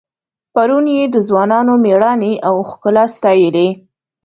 پرون یې د ځوانانو میړانې او ښکلا ستایلې.